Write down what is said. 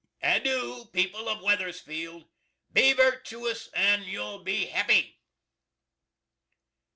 Adoo, people of Weathersfield. Be virtoous & you'll be happy!